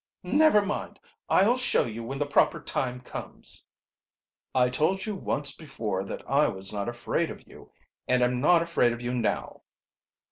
"Never mind; I'll show you when the proper time comes." "I told you once before that I was not afraid of you and I am not afraid of you now."